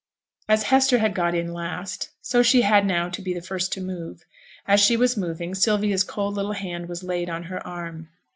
As Hester had got in last, so she had now to be the first to move. Just as she was moving, Sylvia's cold little hand was laid on her arm.